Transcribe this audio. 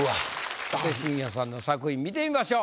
小手伸也さんの作品見てみましょう。